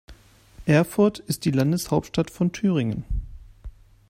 Erfurt ist die Landeshauptstadt von Thüringen.